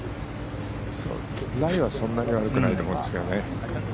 ライはそんなに悪くないと思うんですけどね。